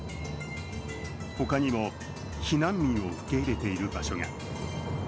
他にも避難民を受け入れている場所が。